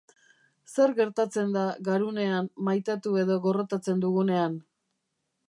Zer gertatzen da garunean maitatu edo gorrotatzen dugunean?